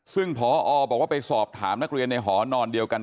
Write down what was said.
ซึ่งพอบอกว่าไปสอบถามนักเรียนในหอนอนเดียวกัน